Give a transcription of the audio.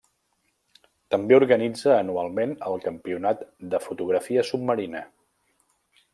També organitza anualment el Campionat de fotografia submarina.